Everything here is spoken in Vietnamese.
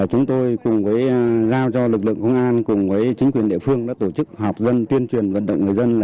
chúng tôi cùng với giao cho lực lượng công an cùng với chính quyền địa phương đã tổ chức họp dân tuyên truyền vận động người dân